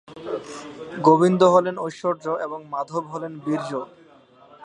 গোবিন্দ হলেন ঐশ্বর্য এবং মাধব হলেন বীর্য।